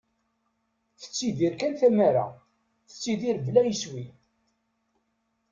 Tettidir kan tamara, tettidir bla iswi.